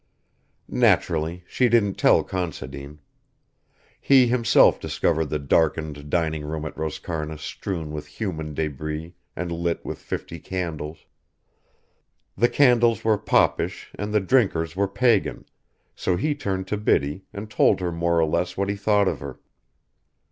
Naturally she didn't tell Considine. He himself discovered the darkened dining room at Roscarna strewn with human débris and lit with fifty candles. The candles were popish and the drinkers were pagan, so he turned on Biddy and told her more or less what he thought of her.